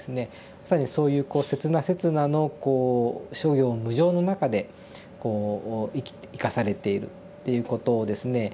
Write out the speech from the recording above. まさにそういうこう刹那刹那のこう諸行無常の中でこう生かされているっていうことをですね